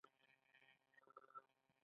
کارکونکي اوږده خندا وکړه.